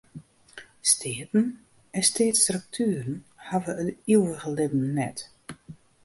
Steaten en steatsstruktueren hawwe it ivige libben net.